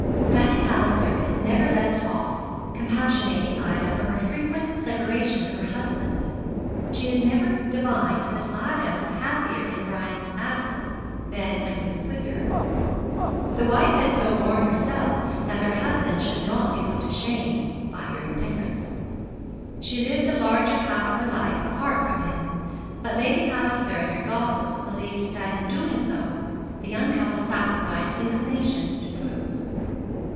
Fanny Palliser had never left off compassionating Ida for her frequent separation from her husband. She had never divined that Ida was happier in Brian's absence than when he was with her. The wife had so borne herself that her husband should not be put to shame by her indifference. She lived the larger half of her life apart from him; but Lady Palliser and her gossips believed that in so doing the young couple sacrificed inclination to prudence.